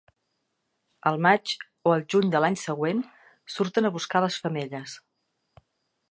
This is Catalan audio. Al maig o al juny de l'any següent surten a buscar les femelles.